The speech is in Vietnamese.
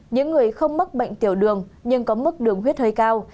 những người không mắc bệnh tiểu đường nhưng có mức đường huyết hơi cao